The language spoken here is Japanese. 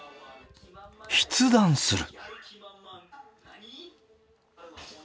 筆談する。